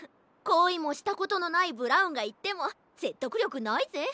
こいもしたことのないブラウンがいってもせっとくりょくないぜ。